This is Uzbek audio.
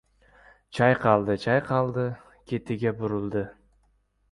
Chayqaldi-chayqaldi, ketiga burildi.